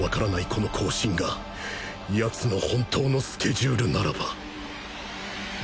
この交信が奴の本当のスケジュールならば。